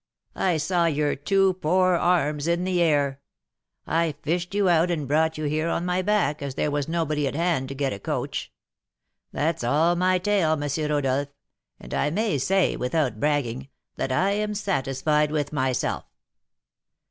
I saw your two poor arms in the air. I fished you out and brought you here on my back, as there was nobody at hand to get a coach. That's all my tale, M. Rodolph; and I may say, without bragging, that I am satisfied with myself."